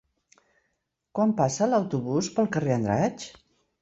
Quan passa l'autobús pel carrer Andratx?